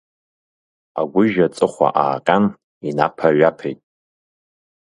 Агәыжь аҵыхәа ааҟьан, инаԥа-ҩаԥеит.